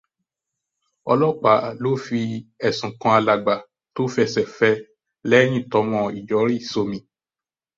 Ọlọ́páà ló fi ẹ̀sùn kan alàgbà tó fẹsẹ̀ fẹ lẹ́yìn tọ́mọ ijọ rì sọ́mi.